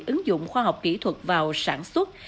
ứng dụng khoa học kỹ thuật vào sản xuất